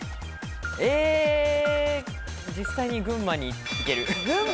実際に群馬に行ける。